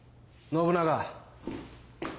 信長。